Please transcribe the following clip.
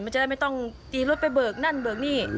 มันจะได้ไม่ต้องตีรถไปเบิกนั่นเบิกนี่